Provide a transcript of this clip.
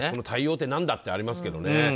対応って何だってありますけどね。